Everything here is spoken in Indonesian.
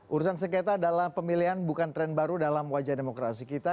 urusan sengketa dalam pemilihan bukan tren baru dalam wajah demokrasi kita